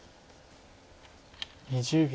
２０秒。